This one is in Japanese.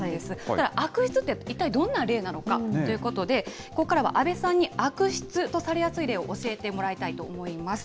ただ悪質って、いったいどんな例なのかということで、ここからは阿部さんに悪質とされやすい例を教えてもらいたいと思います。